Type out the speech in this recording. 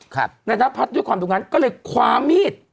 นายนพัฒน์ด้วยความตรงนั้นก็เลยคว้ามีด